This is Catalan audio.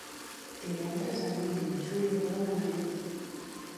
Divendres en Nil i na Júlia volen anar a Llubí.